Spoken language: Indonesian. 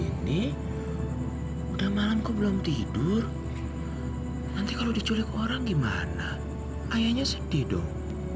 ini udah malamku belum tidur nanti kalau diculik orang gimana ayahnya sedih dong